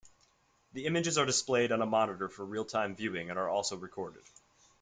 The images are displayed on a monitor for real-time viewing and are also recorded.